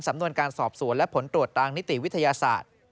สำนวนการสอบสวนและผลตรวจทางนิติวิทยาศาสตร์